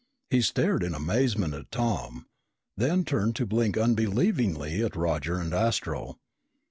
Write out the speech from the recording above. He stared in amazement at Tom, then turned to blink unbelievingly at Roger and Astro.